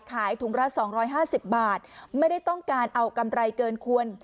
ขายถุงละ๒๕๐บาทไม่ได้ต้องการเอากำไรเกินควร